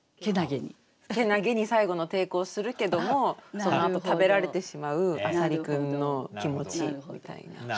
けなげに最後の抵抗をするけどもそのあと食べられてしまう浅蜊君の気持ちみたいな。